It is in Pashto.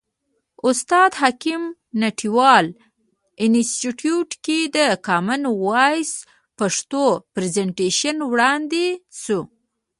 استاد حکیم تڼیوال انستیتیوت کې د کامن وایس پښتو پرزنټیشن وړاندې شو.